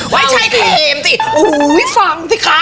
ไว้ใช่เคเมติฟังสิคะ